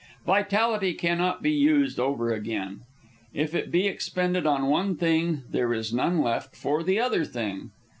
Vitality cannot be used over again. If it be expended on one thing, there is none left for the other thing.